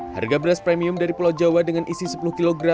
harga beras premium dari pulau jawa dengan isi sepuluh kg